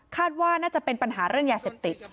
ว่าน่าจะเป็นปัญหาเรื่องยาเสพติด